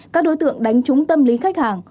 các đối tượng đánh trúng tâm lý khách hàng